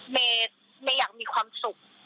เมย์อยากมีความสุข